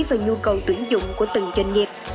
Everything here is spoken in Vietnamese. và nhu cầu tuyển dụng của từng doanh nghiệp